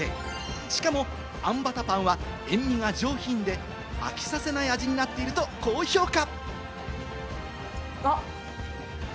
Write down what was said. しかも、あんバタパンは塩味が上品で、飽きさせない味になっていると高評価。